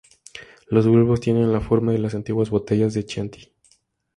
Los bulbos tienen "la forma de las antiguas botellas de Chianti".